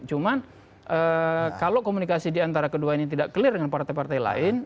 cuman kalau komunikasi diantara kedua ini tidak clear dengan partai partai lain